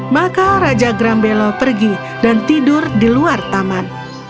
maka raja grambelo pergi dan tidur di luar taman